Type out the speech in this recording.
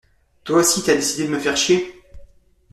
Toi aussi t’as décidé de me faire chier?